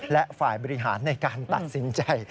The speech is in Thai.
และฝ่ายบริหารในการตัดสินใจ